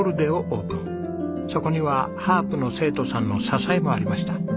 そこにはハープの生徒さんの支えもありました。